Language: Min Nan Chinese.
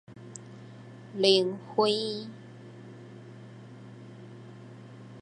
靈妃